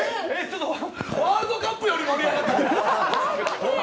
ワールドカップより盛り上がった！